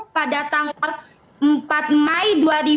pada tanggal empat mai dua ribu dua puluh tiga